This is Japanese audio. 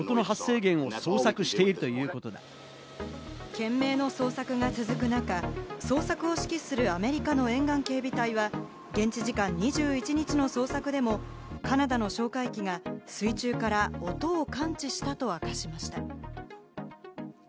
懸命の捜索が続く中、捜索を指揮するアメリカの沿岸警備隊は現地時間２１日の捜索でもカナダの哨戒機が水中から音を感知したと明かしました。